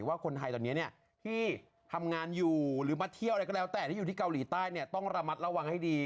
ว่าคนไทยตอนนี้ที่ทำงานอยู่หรือมาเที่ยวอะไรก็แล้วแต่ที่อยู่ที่เกาหลีใต้ต้องระมัดระวังให้ดี